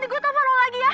nanti gue tau kalau lagi ya